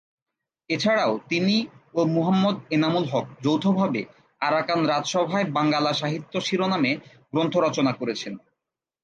এছাড়াও তিনি ও মুহম্মদ এনামুল হক যৌথভাবে "আরাকান রাজসভায় বাঙ্গালা সাহিত্য" শিরোনামে গ্রন্থ রচনা করেছেন।